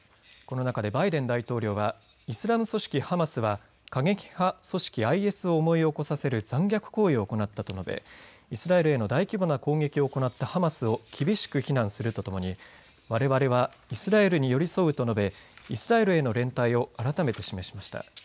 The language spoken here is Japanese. この中でバイデン大統領はイスラム組織ハマスは過激派組織ＩＳを思い起こさせる残虐行為を行ったと述べイスラエルへの大規模な攻撃を行ったハマスを厳しく非難するとともにわれわれはイスラエルに寄り添うと述べイスラエルの連帯を改めて示しました。